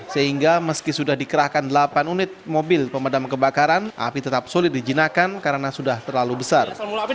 sehingga meski sudah dikerahkan delapan unit mobil pemadam kebakaran api tetap sulit dijinakan karena sudah terlalu besar